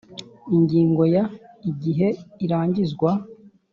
Ingingo ya Igihe irangizwa